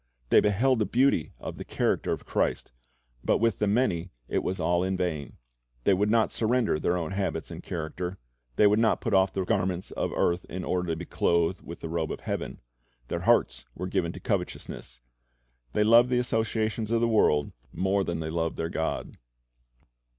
They beheld the beauty of the character of Christ. But with the many it was all in vain. They would not surrender their own habits and character. They would not put off the garments of earth in order to be clothed with the robe of heaven. Their hearts were given to coveteousness. They loved the associations of the world more than they loved their God.